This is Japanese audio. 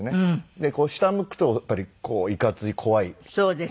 で下向くとやっぱりいかつい怖い顔に見えて。